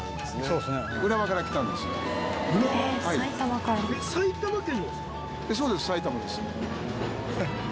そうです埼玉です。